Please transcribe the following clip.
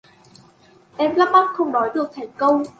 em lắp bắp không nói được thành câu